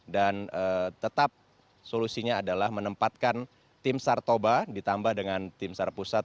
dan tetap solusinya adalah menempatkan tim sartoba ditambah dengan tim sarpusat